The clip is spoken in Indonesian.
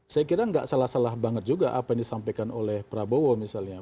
saya kira nggak salah salah banget juga apa yang disampaikan oleh prabowo misalnya